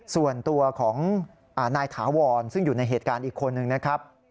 ส่วนตัวของนายถาวรซึ่งอยู่ในเหตุการณ์อีกคนนึงนะครับ